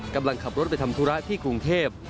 กำลังขับรถไปทำธุระที่กรุงเทพ